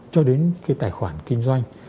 cho đến cái tài khoản kinh doanh